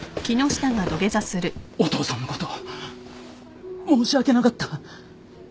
お父さんのこと申し訳なかった。